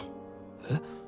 えっ？